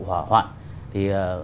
hỏa hoạn thì